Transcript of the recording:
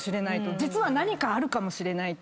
実は何かあるかもしれないと。